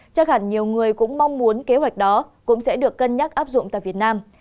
chắc hẳn nhiều người cũng mong muốn kế hoạch đó cũng sẽ được cân nhắc áp dụng tại việt nam